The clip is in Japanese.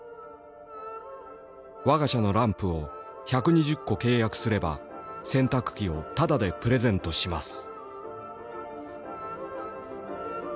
「我が社のランプを１２０個契約すれば洗濯機をタダでプレゼントします」。